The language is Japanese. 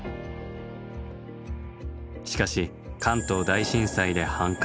しかし関東大震災で半壊。